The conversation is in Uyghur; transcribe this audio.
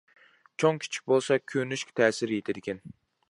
چوڭ كىچىك بولسا كۆرۈنۈشكە تەسىر يېتىدىكەن.